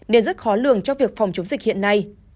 nên rất khó lường cho việc phòng chống dịch hiện nay